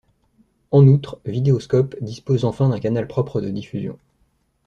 En outre, Vidéoscope dispose enfin d’un canal propre de diffusion.